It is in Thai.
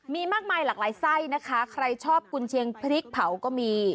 มีมากมายหลากหลายไส้นะคะใครชอบกุญเชียงพริกเผาก็มี